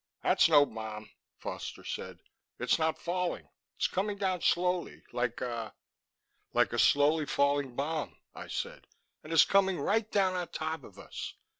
"That's no bomb," Foster said. "It's not falling; it's coming down slowly ... like a " "Like a slowly falling bomb," I said. "And it's coming right down on top of us.